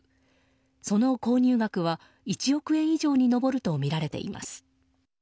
その購入額は１億円以上に上るとみられています。